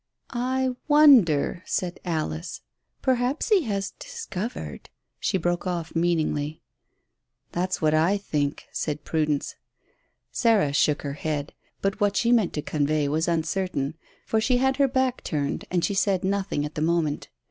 "I wonder," said Alice; "perhaps he has discovered " She broke off meaningly. "That's what I think," said Prudence. Sarah shook her head; but what she meant to convey was uncertain, for she had her back turned and she said nothing at the moment.